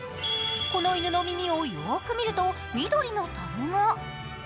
この犬の耳をよく見ると緑のタグが。